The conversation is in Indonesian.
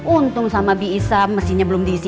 untung sama bi issa mesinnya belum diisi air